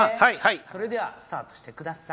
それではスタートしてください。